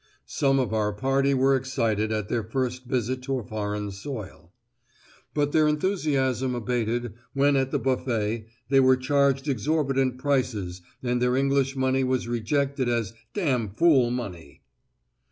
Some of our party were excited at their first visit to a foreign soil; but their enthusiasm abated when at the buffet they were charged exorbitant prices and their English money was rejected as "dam fool money."